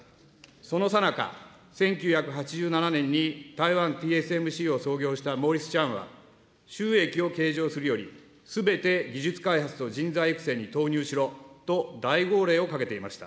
そのさなか、１９８７年に台湾ＴＳＭＣを創業したモーリス・チャンは、収益を計上するよりすべて技術開発と人材育成に投入しろと、大号令をかけていました。